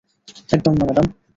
একদম না, ম্যাডাম।